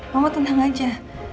mama tenang aja